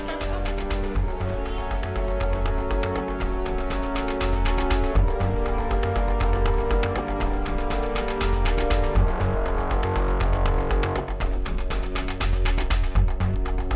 dan kamu seperti sekecat lantai